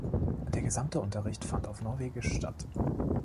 Der gesamte Unterricht fand auf norwegisch statt.